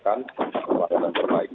untuk melakukan perbaikan